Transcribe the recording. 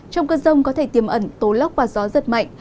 trong cơn rông có thể tiềm ẩn tố lóc và gió rất mạnh